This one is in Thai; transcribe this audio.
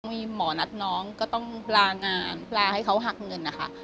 มีหมอนัดน้องก็ต้องลางานลาให้เขาหักเงินนะคะ